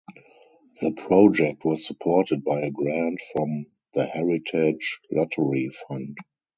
The project was supported by a grant from the Heritage Lottery Fund.